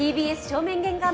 ＴＢＳ正面玄関